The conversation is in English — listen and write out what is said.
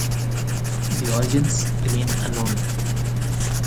The origins remain unknown.